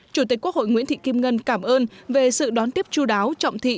chủ tịch quốc hội nguyễn thị kim ngân cảm ơn về sự đón tiếp chú đáo trọng thị